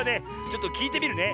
ちょっときいてみるね。